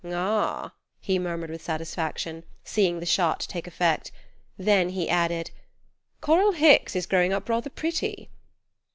"Ah," he murmured with satisfaction, seeing the shot take effect; then he added: "Coral Hicks is growing up rather pretty."